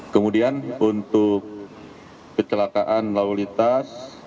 kemudian untuk kecelakaan lolitas